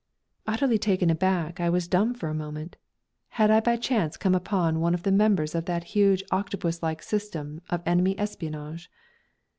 Utterly taken aback, I was dumb for a moment. Had I by chance come upon one of the members of that huge octopus like system of enemy espionage?